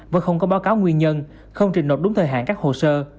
và không có báo cáo nguyên nhân không trình nộp đúng thời hạn các hồ sơ